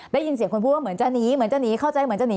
ได้ยินเสียงคนพูดว่าเหมือนจะหนีเหมือนจะหนีเข้าใจเหมือนจะหนี